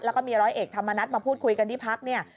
แล้วก็มีร้อยเอกธรรมนัฐมาพูดคุยกันที่พักเนี่ย